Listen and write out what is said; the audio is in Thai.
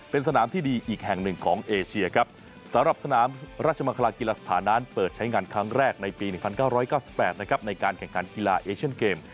เป็นสนามที่ดีอีกแห่งหนึ่งของเอเชียครับสำหรับสนามราชมังคลากีฬาสถานนั้นเปิดใช้งานครั้งแรกในปี๑๙๙๘นะครับในการแข่งขันกีฬาเอเชนเกม